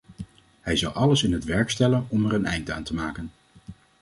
Hij zou alles in het werk stellen om er een eind aan te maken.